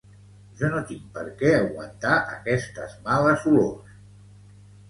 Jo no tinc perquè aguantar aquestes males olors